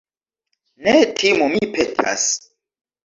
Ne timu, mi petas.